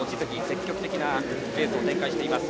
積極的なレースを展開しています。